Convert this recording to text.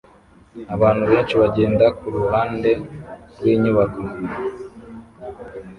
Abantu benshi bagenda kuruhande rwinyubako